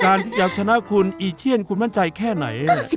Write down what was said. ที่จะชนะคุณอีเชียนคุณมั่นใจแค่ไหน